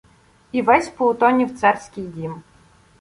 І ввесь Плутонів царський дім.